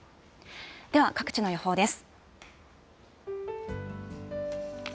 では各地の予報です。